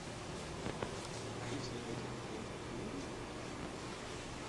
Kinst dy auto net oars parkearje?